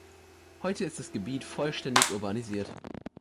Heute ist das Gebiet vollständig urbanisiert.